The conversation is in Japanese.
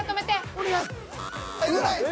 お願い。